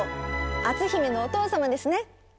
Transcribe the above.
篤姫のお父様ですね。